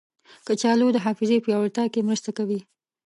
کچالو د حافظې پیاوړتیا کې مرسته کوي.